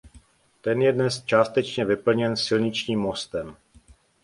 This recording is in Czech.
Ten je dnes částečně vyplněn silničním mostem.